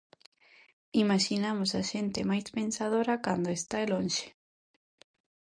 Imaxinamos a xente máis pensadora cando está lonxe.